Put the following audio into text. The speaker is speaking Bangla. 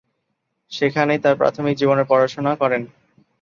সেখানেই তাঁর প্রাথমিক জীবনের পড়াশোনা করেন।